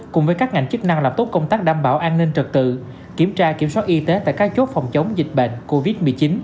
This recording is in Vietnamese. cùng với các ngành chức năng làm tốt công tác đảm bảo an ninh trật tự kiểm tra kiểm soát y tế tại các chốt phòng chống dịch bệnh covid một mươi chín